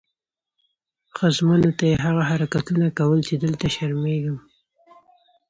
ښځمنو ته یې هغه حرکتونه کول چې دلته شرمېږم.